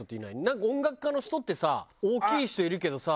なんか音楽家の人ってさ大きい人いるけどさ。